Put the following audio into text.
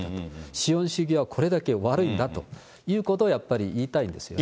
資本主義はこれだけ悪いんだということを、やっぱり言いたいんですよね。